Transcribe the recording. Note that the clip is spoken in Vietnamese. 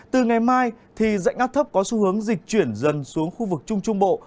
từ ngày mai dạnh áp thấp có xu hướng dịch chuyển dần xuống khu vực trung trung bộ